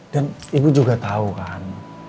dan ibu juga tau kan